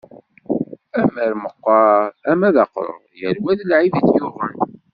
Ama meqqer ama d aqrur, yal wa lɛib i t-yuɣen.